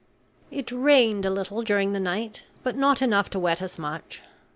It rained a little during the night, but not enough to wet us much.